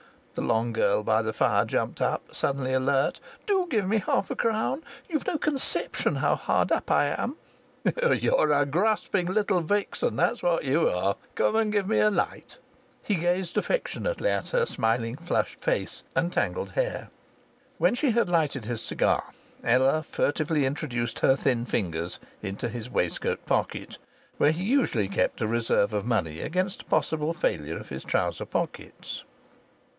The long girl by the fire jumped up, suddenly alert. "Do give me half a crown. You've no conception how hard up I am." "You're a grasping little vixen, that's what you are. Come and give me a light." He gazed affectionately at her smiling flushed face and tangled hair. When she had lighted his cigar, Ella furtively introduced her thin fingers into his waistcoat pocket, where he usually kept a reserve of money against a possible failure of his trouser pockets.